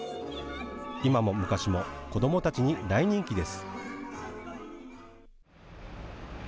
今も昔も子どもたちに大人気です。